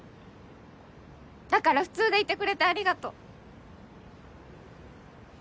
だから普通でいてくれてありがとう。